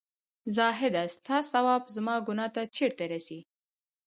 زاهـده سـتـا ثـواب زمـا ګـنـاه تـه چېرته رسـي